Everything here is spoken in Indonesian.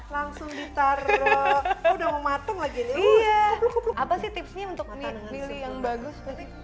langsung ditaruh udah mau mateng lagi iya apa sih tipsnya untuk milik yang bagus